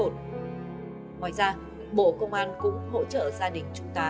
ngoài ra bộ công an cũng hỗ trợ gia đình trung tá